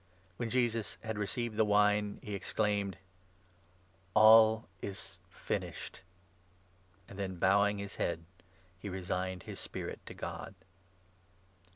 When Jesus had received 30 the wine, he exclaimed : "All is finished !" Then, bowing his head, he resigned his spirit to God.